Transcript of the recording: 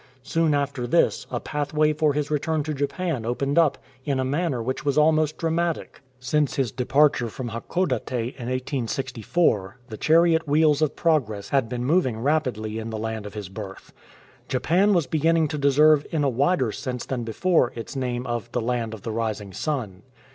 Soon after this a pathway for his return to Japan opened up in a manner which was almost dramatic. Since his departure from Hakodate in 1864, the chariot wheels of progress had been moving rapidly in the land of his birth. Japan was beginning to deserve in a wider sense than before its name of "The Land of the Rising Sun.'"